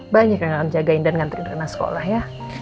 banyak yang akan jagain dan nganterin rena sekolah ya